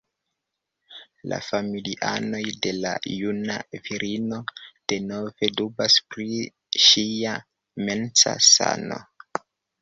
La familianoj de la juna virino denove dubas pri ŝia mensa sano.